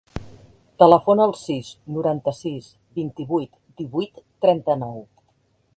Telefona al sis, noranta-sis, vint-i-vuit, divuit, trenta-nou.